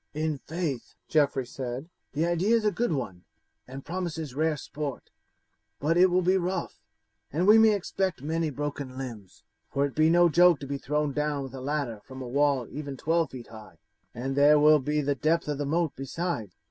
"In faith," Geoffrey said, "the idea is a good one, and promises rare sport, but it will be rough, and we may expect many broken limbs, for it be no joke to be thrown down with a ladder from a wall even twelve feet high, and there will be the depth of the moat besides."